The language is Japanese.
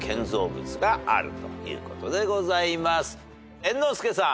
猿之助さん。